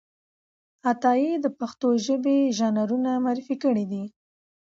عطايي د پښتو ادبي ژانرونه معرفي کړي دي.